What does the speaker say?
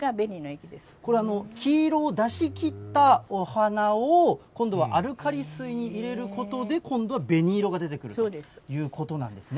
これ、黄色を出し切ったお花を、今度はアルカリ水に入れることで、そうです。ということなんですね。